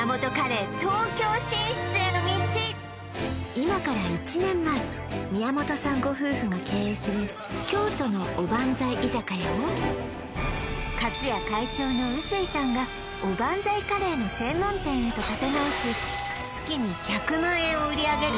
今から１年前宮本さんご夫婦が経営する京都のおばんざい居酒屋をかつや会長の臼井さんがおばんざいカレーの専門店へと立て直し月に１００万円を売り上げる